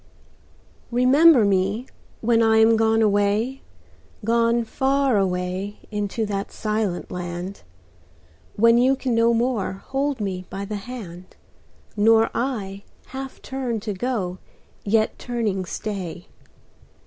Remember me when I am gone away, Gone far away into the silent land; When you can no more hold me by the hand, Nor I half turn to go yet turning stay.